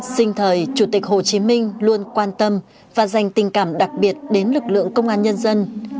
sinh thời chủ tịch hồ chí minh luôn quan tâm và dành tình cảm đặc biệt đến lực lượng công an nhân dân